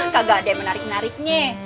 kagak ada yang menarik nariknya